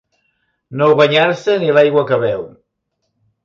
No guanyar-se ni l'aigua que beu.